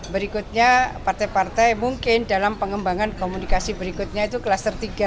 berikutnya partai partai mungkin dalam pengembangan komunikasi berikutnya itu klaster tiga